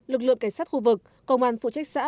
lực lượng cảnh sát khu vực công an phụ trách xã